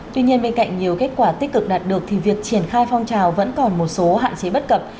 tuy nhiên bên cạnh nhiều kết quả tích cực đạt được thì việc triển khai phong trào vẫn còn một số hạn chế bất cập